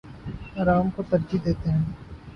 آرام کو ترجیح دیتے ہیں